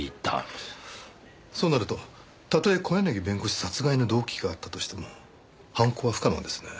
そうなるとたとえ小柳弁護士殺害の動機があったとしても犯行は不可能ですね。